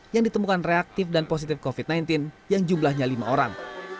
yang ditemukan reaktif dan positif covid sembilan belas yang jumlahnya lima orang